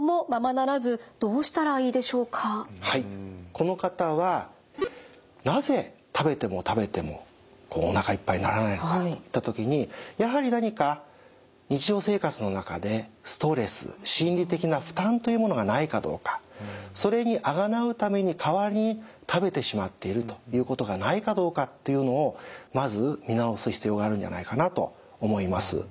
この方はなぜ食べても食べてもこうおなかいっぱいにならないのかといった時にやはり何か日常生活の中でストレス心理的な負担というものがないかどうかそれにあがなうために代わりに食べてしまっているということがないかどうかっていうのをまず見直す必要があるんじゃないかなと思います。